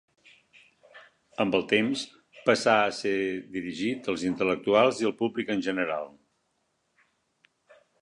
Amb el temps passà a ser dirigit als intel·lectuals i el públic en general.